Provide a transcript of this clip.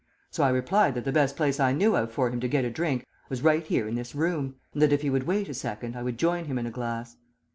So I replied that the best place I knew of for him to get a drink was right here in this room, and that if he would wait a second I would join him in a glass.